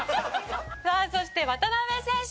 さあそして渡邊選手